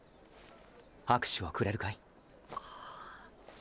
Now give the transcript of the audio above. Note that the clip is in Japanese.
拍手をくれるかい？っ！